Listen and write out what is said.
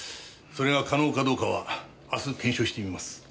それが可能かどうかは明日検証してみます。